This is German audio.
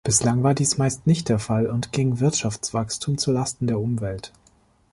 Bislang war dies meist nicht der Fall und ging Wirtschaftswachstum zu Lasten der Umwelt.